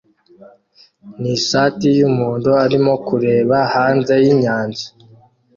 nishati yumuhondo arimo kureba hanze yinyanja